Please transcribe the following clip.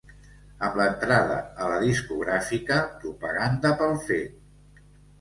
Amb l’entrada a la discogràfica Propaganda pel Fet!